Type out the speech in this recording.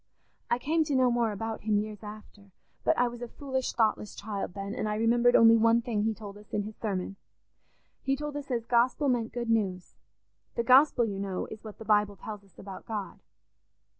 I came to know more about him years after, but I was a foolish thoughtless child then, and I remembered only one thing he told us in his sermon. He told us as 'Gospel' meant 'good news.' The Gospel, you know, is what the Bible tells us about God.